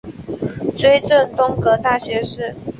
追赠东阁大学士。